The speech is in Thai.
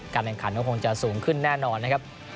แข่งขันก็คงจะสูงขึ้นแน่นอนนะครับ